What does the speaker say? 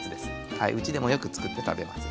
はいうちでもよくつくって食べます。